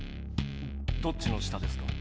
どっちの下ですか？